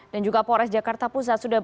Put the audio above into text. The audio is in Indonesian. dan juga polres jakarta pusat